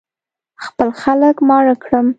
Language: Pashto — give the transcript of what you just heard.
خپل خلک ماړه کړم.